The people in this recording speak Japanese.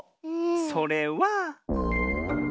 それは。